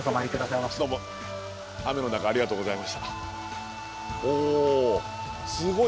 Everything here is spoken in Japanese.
どうも雨の中ありがとうございました。